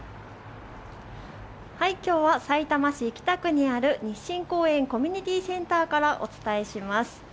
きょうはさいたま市北区にある日進公園コミュニティセンターからお伝えします。